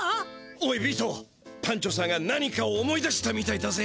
おいビートパンチョさんが何かを思い出したみたいだぜ。